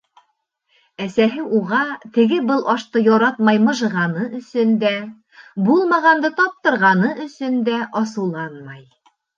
Әсәһе уға теге-был ашты яратмай мыжығаны өсөн дә, булмағанды таптырғаны өсөн дә асыуланмай.